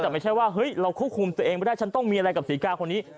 แต่ไม่ใช่ว่าเฮ้ยเราควบคุมตัวเองไม่ได้ฉันต้องมีอะไรกับศรีกาคนนี้